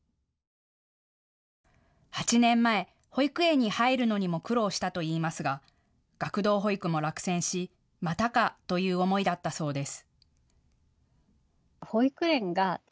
８年前、保育園に入るのにも苦労したといいますが学童保育も落選しまたかという思いだったそうです。